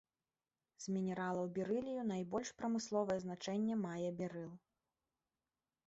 З мінералаў берылію найбольшае прамысловае значэнне мае берыл.